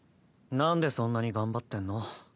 なんでそんなに頑張ってんの？